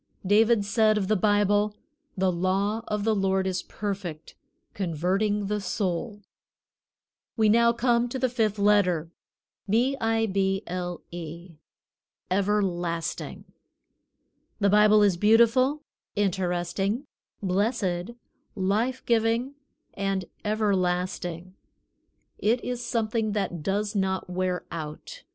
David said of the Bible: "The law of the Lord is perfect, converting the soul." We come now to the fifth letter, B I B L E Everlasting. The Bible is Beautiful, Interesting, Blessed, Life giving, and Everlasting. It is something that does not wear out.